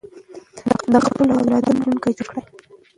د خپلو اولادونو راتلونکی جوړ کړئ.